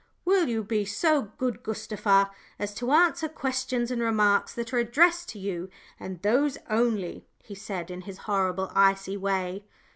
"Will you be so good, Gustava, as to answer questions and remarks that are addressed to you, and those only?" he said, in his horrible, icy way.